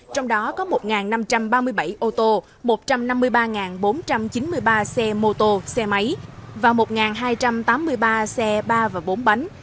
trong đó có một năm trăm ba mươi bảy ô tô một trăm năm mươi ba bốn trăm chín mươi ba xe mô tô xe máy và một hai trăm tám mươi ba xe ba và bốn bánh